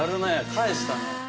返したね。